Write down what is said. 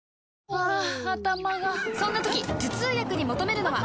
ハァ頭がそんな時頭痛薬に求めるのは？